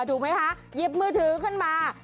ทุกคนวางพาซมือถือขึ้นมา